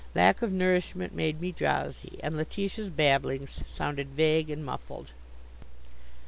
Lack of nourishment made me drowsy, and Letitia's babblings sounded vague and muffled.